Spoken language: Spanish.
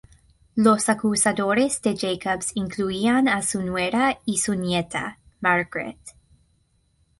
Los acusadores de Jacobs incluían a su nuera y su nieta, Margaret.